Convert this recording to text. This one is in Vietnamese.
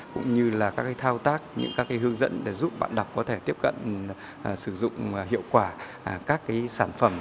cũng như là các cái thao tác những các cái hướng dẫn để giúp bạn đọc có thể tiếp cận sử dụng hiệu quả các cái sản phẩm